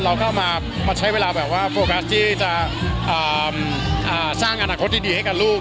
เราก็มาใช้เวลาแบบว่าโฟกัสที่จะสร้างอนาคตที่ดีให้กับลูก